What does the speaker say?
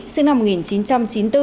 sinh năm một nghìn chín trăm chín mươi bốn